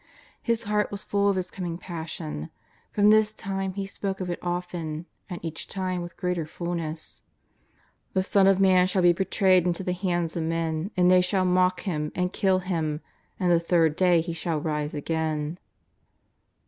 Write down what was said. His Heart was full of His coming Passion. From this time He spoke of it often, and each time with greater fulness :" The Son of Man shall be betrayed into the hands of men, and they shall mock Him, and kill Him, and the third day He shall rise again."